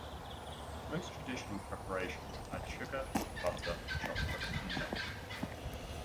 Most traditional preparations add sugar, butter, chocolate and milk.